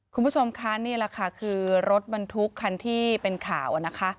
คุณผู้ชมคะนี่แหละค่ะคือรถบรรทุกคันที่เป็นข่าวนะคะ